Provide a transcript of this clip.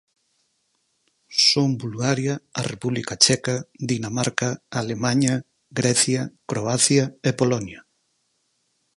Son Bulgaria, a República Checa, Dinamarca, Alemaña, Grecia, Croacia e Polonia.